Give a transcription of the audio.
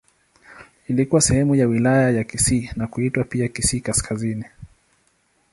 Ilikuwa sehemu ya Wilaya ya Kisii na kuitwa pia Kisii Kaskazini.